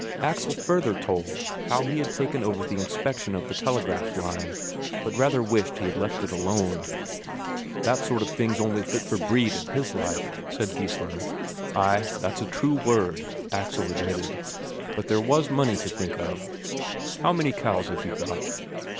Axel further told how he had taken over the inspection of the telegraph line, but rather wished he had left it alone. "That sort of thing's only fit for Brede and his like," said Geissler. "Ay, that's a true word," Axel admitted. "But there was the money to think of." "How many cows have you got?"